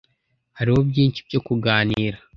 Hariho byinshi byo kuganira.